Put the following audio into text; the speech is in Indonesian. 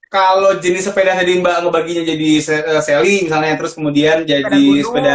kalau jenis sepeda tadi mbak ngebaginya jadi selly misalnya terus kemudian jadi sepeda